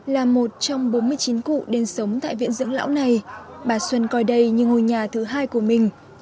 là một trong bốn mươi chín cụ đến sống tại viện dưỡng lão này bà xuân coi đây như ngôi nhà thứ hai của mình